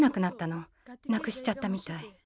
なくしちゃったみたい。